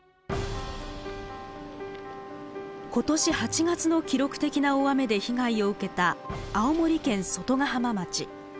今年８月の記録的な大雨で被害を受けた青森県外ヶ浜町。